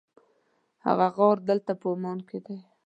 هغه غار دلته په عمان کې دی.